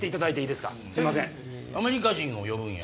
アメリカ人を呼ぶんや。